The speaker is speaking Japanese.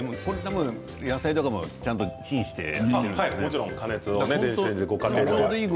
野菜とかもちゃんとチンしているの？